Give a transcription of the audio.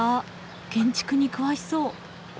建築に詳しそう。